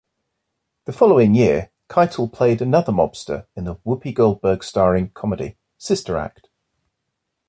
The following year, Keitel played another mobster in the Whoopi Goldberg-starring comedy "Sister Act".